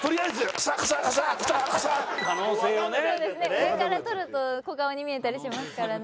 上から撮ると小顔に見えたりしますからね。